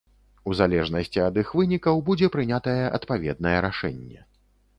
У залежнасці ад іх вынікаў будзе прынятае адпаведнае рашэнне.